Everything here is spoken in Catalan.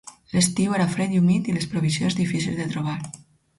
L'estiu era fred i humit, i les provisions difícils de trobar.